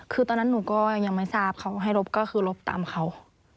คือตอนนั้นหนูก็ยังไม่ทราบเขาให้ลบก็คือลบตามเขา